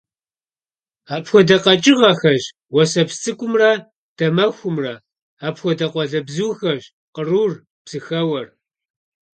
Апхуэдэ къэкӀыгъэхэщ уэсэпсцӀыкӀумрэ дамэхумрэ; апхуэдэ къуалэбзухэщ кърур, псыхэуэр.